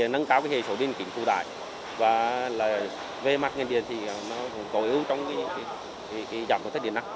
nâng cao hệ số điện kính phụ đại về mặt nguyên điện thì nó có ưu trong giảm thất điện năng